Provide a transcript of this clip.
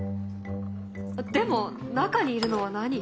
でも中にいるのは何？